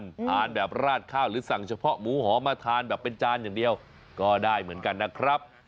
ทานแบบราดข้าวหรือสั่งเฉพาะหมูหอมมาทานแบบเป็นจานอย่างเดียวก็ได้เหมือนกันนะครับ